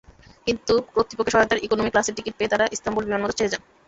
কিন্তু কর্তৃপক্ষের সহায়তায় ইকোনমি ক্লাসের টিকিট পেয়ে তাঁরা ইস্তাম্বুল বিমানবন্দর ছেড়ে যান।